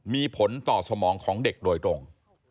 มีผลต่อสมองของเด็กโดยตรง